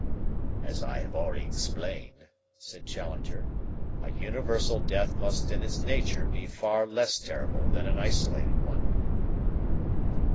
"As I have already explained," said Challenger, "a universal death must in its nature be far less terrible than a isolated one."